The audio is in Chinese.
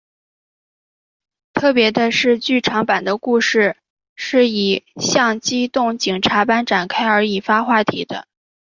特别的是剧场版的故事是以像机动警察般展开而引发话题。